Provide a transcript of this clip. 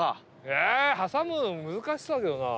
えはさむの難しそうだけどな。